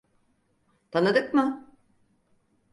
Tanıdık mı?